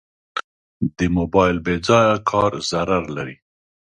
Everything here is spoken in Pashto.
د موبایل بېځایه کار ضرر لري.